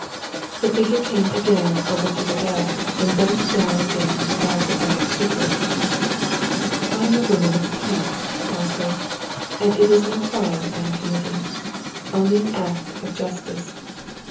The figure came again over to the bed and bent down again above the bound figure. "I am a woman of peace, Dasso, and it is no crime I am committing only an act of justice.